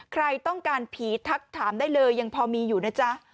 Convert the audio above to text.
ใครต้องการผีทักถามได้เลยยังพอมีอยู่นะจ๊ะ